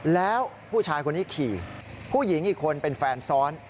แล้วผู้ชายคนนี้ขี่ผู้หญิงอีกคนเป็นแฟนซ้อน